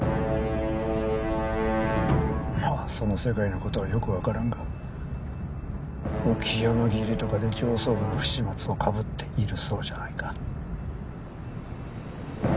まあその世界の事はよくわからんが浮世の義理とかで上層部の不始末をかぶっているそうじゃないか。